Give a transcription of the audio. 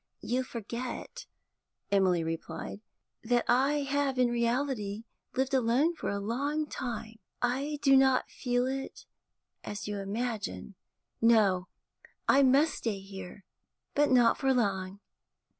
'You forget,' Emily replied, 'that I have in reality lived alone for a long time; I do not feel it as you imagine. No, I must stay here, but not for long.